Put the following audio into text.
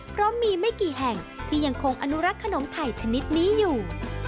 เพราะมีไม่กี่แห่งที่ยังคงอนุรักษ์ขนมไทยชนิดนี้อยู่